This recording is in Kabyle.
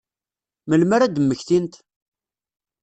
Melmi ara ad mmektint?